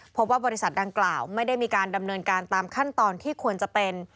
พบว่าบริษัทดังกล่าวไม่ได้มีการดำเนินการตามขั้นตอนที่ควรจะเป็น